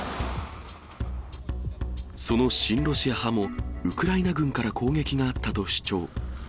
その親ロシア派もウクライナ軍から攻撃があったと主張。